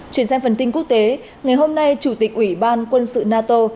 chuyển sang phần tin quốc tế ngày hôm nay chủ tịch ủy ban quân sự nato